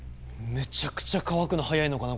めちゃくちゃ乾くの早いのかな？